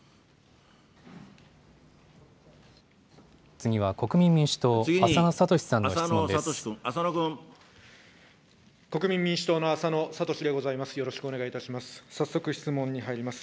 次は国民民主党、浅野哲さんの質問です。